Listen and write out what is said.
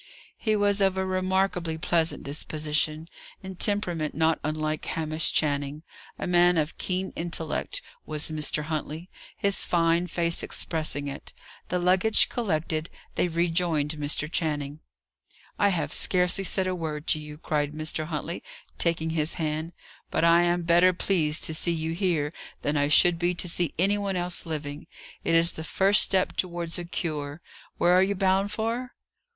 He was of a remarkably pleasant disposition, in temperament not unlike Hamish Channing. A man of keen intellect was Mr. Huntley; his fine face expressing it. The luggage collected, they rejoined Mr. Channing. "I have scarcely said a word to you," cried Mr. Huntley, taking his hand. "But I am better pleased to see you here, than I should be to see any one else living. It is the first step towards a cure. Where are you bound for?"